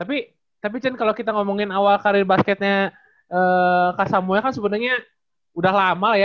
tapi tapi kalau kita ngomongin awal karir basketnya kak samboya kan sebenarnya udah lama lah ya